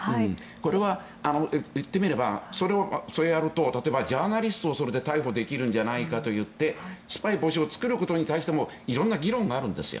これは言ってみればそれをやると例えば、ジャーナリストをそれで逮捕できるんじゃないかといってスパイ防止法を作ることに対しても色んな議論があるんですよ。